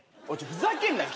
ふざけんなよ